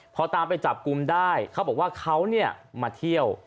พอตามไปจับกลุ่มได้เขาบอกว่าเขาเนี่ยมาเที่ยว